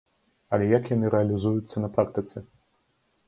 Але як яны рэалізуюцца на практыцы?